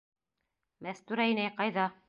Мәстүрә инәй ҡайҙа?